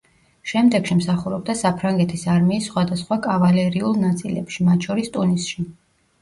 შემდეგში მსახურობდა საფრანგეთის არმიის სხვადასხვა კავალერიულ ნაწილებში, მათ შორის ტუნისში.